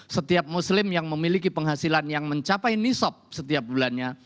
setiap muslim yang memiliki penghasilan yang mencapai nisob setiap bulannya